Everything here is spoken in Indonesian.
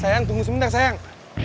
sayang tunggu sebentar sayang